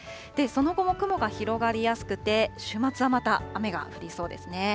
その後は雲が広がりやすくて、週末はまた雨が降りそうですね。